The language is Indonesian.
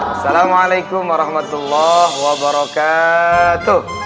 assalamualaikum warahmatullahi wabarakatuh